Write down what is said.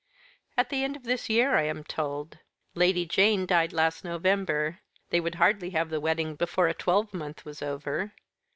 "At the end of this year, I am told. Lady Jane died last November. They would hardly have the wedding before a twelvemonth was over.